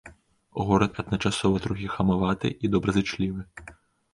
Горад адначасова трохі хамаваты і добразычлівы.